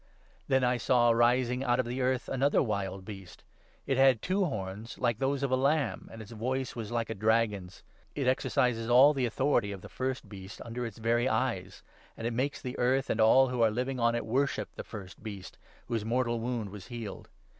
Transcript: Then I saw, rising out of the earth, another wild Beast. It 1 1 had two horns like those of a lamb, and its voice was like a dragon's. It exercises all the authority of the first Beast 12 under its very eyes ; and it makes the earth and all who are living on it worship that first Beast, whose mortal wound was healed.